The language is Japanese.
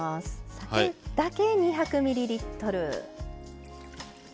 酒だけ２００ミリリットル。